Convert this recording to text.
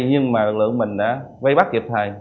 nhưng mà lực lượng mình đã vây bắt kịp thời